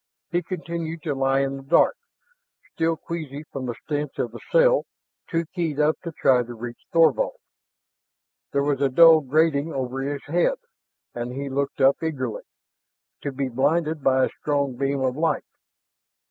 He continued to lie in the dark, still queasy from the stench of the cell, too keyed up to try to reach Thorvald. There was a dull grating over his head, and he looked up eagerly to be blinded by a strong beam of light.